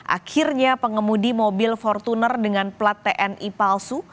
akhirnya pengemudi mobil fortuner dengan plat tni palsu